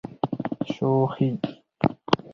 شوخي.